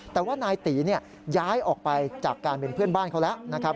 แต่ว่านายตีย้ายออกไปจากการเป็นเพื่อนบ้านเขาแล้วนะครับ